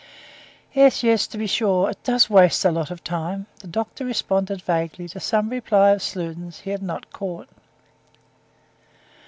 "Yes, yes, to be sure; it does waste a lot of time," the doctor responded vaguely to some reply of Sludin's he had not caught.